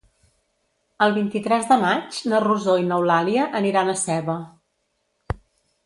El vint-i-tres de maig na Rosó i n'Eulàlia aniran a Seva.